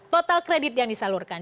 total kredit yang disalurkan